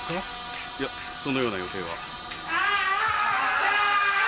いやそのような予定は。